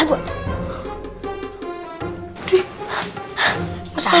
nabi siapa dia